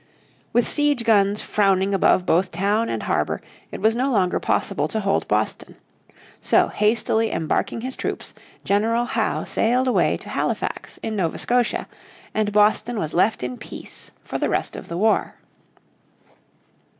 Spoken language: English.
With siege guns frowning above both town and harbour it was no longer possible to hold Boston. So hastily embarking his troops General Howe sailed away to Halifax in Nova Scotia, and Boston was left in peace for the rest of the war.